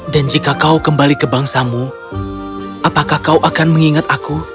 dan jika kau kembali ke bangsamu apakah kau akan mengingat aku